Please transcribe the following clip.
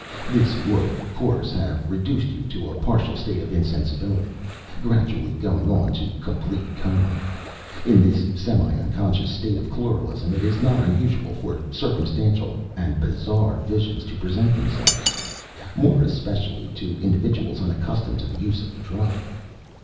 This would of course have reduced you to a partial state of insensibility, gradually going on to complete coma. In this semi unconscious state of chloralism it is not unusual for circumstantial and bizarre visions to present themselves more especially to individuals unaccustomed to the use of the drug.